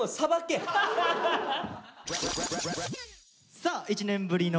さあ１年ぶりの